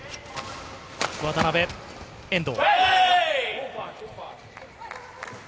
渡辺、遠藤。